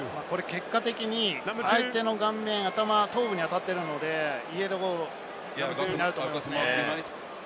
結果的に相手の顔面、頭に当たっているので、イエローになると思いますね。